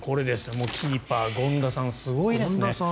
キーパー、権田さんすごいですね。